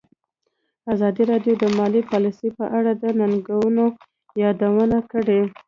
ازادي راډیو د مالي پالیسي په اړه د ننګونو یادونه کړې.